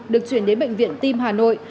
được chuyển đến bệnh viện tim hà nội